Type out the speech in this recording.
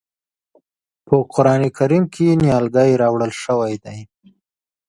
په قرآن کریم کې نیالګی راوړل شوی دی.